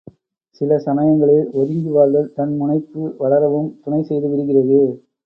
சில சமயங்களில் ஒதுங்கி வாழ்தல் தன் முனைப்பு வளரவும் துணை செய்து விடுகிறது.